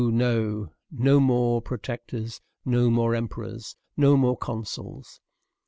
No more protectors, no more emperors, no more consuls.